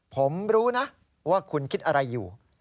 ผมรู้นะว่าคุณคิดอะไรอยู่